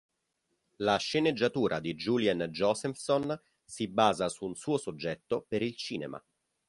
La sceneggiatura di Julien Josephson si basa su un suo soggetto per il cinema.